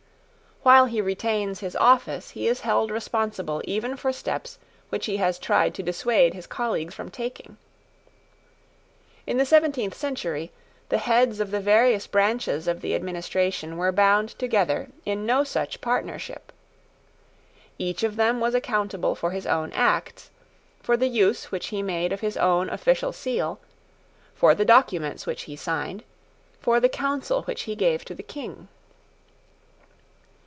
While he retains his office, he is held responsible even for steps which he has tried to dissuade his colleagues from taking. In the seventeenth century, the heads of the various branches of the administration were bound together in no such partnership. Each of them was accountable for his own acts, for the use which he made of his own official seal, for the documents which he signed, for the counsel which he gave to the King.